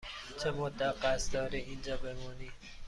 چه مدت قصد داری اینجا بمانی؟